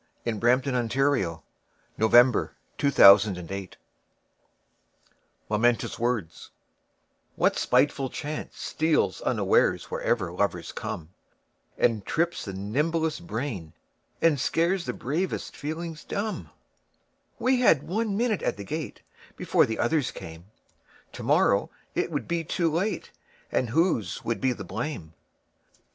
1912. Edward Rowland Sill 1841–1887 Edward Rowland Sill 209 Momentous Words WHAT spiteful chance steals unawaresWherever lovers come, And trips the nimblest brain and scaresThe bravest feelings dumb? We had one minute at the gate, Before the others came; To morrow it would be too late, And whose would be the blame!